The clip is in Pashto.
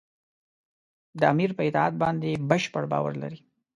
د امیر پر اطاعت باندې بشپړ باور لري.